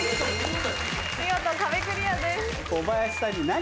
見事壁クリアです。